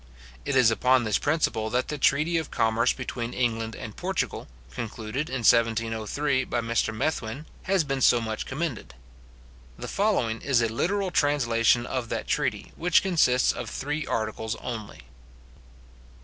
It is upon this principle that the treaty of commerce between England and Portugal, concluded in 1703 by Mr Methuen, has been so much commended. The following is a literal translation of that treaty, which consists of three articles only.